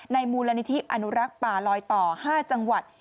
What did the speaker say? มูลนิธิอนุรักษ์ป่าลอยต่อ๕จังหวัด